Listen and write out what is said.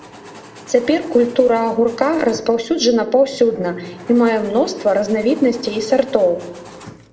Цяпер культура агурка распаўсюджана паўсюдна і мае мноства разнавіднасцей і сартоў.